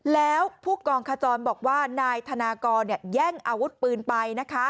แล้วผู้กองขจรบอกว่านายธนากรแย่งอาวุธปืนไปนะคะ